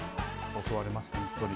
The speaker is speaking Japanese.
教わります、本当に。